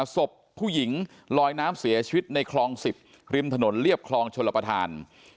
ศพผู้หญิงลอยน้ำเสียชีวิตในคลอง๑๐ริมถนนเรียบคลองชลประธาน